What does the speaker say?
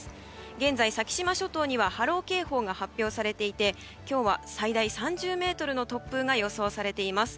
現在、先島諸島には波浪警報が発表されていて今日は最大３０メートルの突風が予想されています。